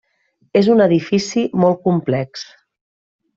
És un edifici molt complex.